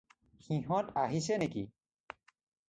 সিহঁত আহিছে নেকি?